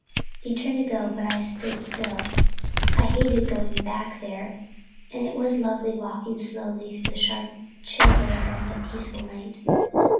He turned to go but I stood still. I hated going back there and it was lovely walking slowly along through the sharp chill air and the peaceful night.